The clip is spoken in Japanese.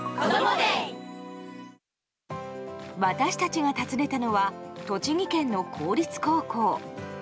私たちが訪ねたのは栃木県の公立高校。